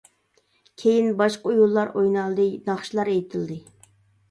كېيىن باشقا ئويۇنلار ئوينالدى، ناخشىلار ئېيتىلدى.